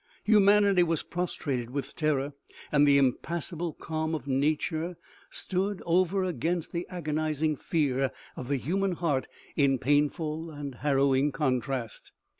Humanity was prostrated with terror, and the impassible calm of nature stood over against the agonizing fear of OMEGA . 169 the human heart in painful and harrowing contrast.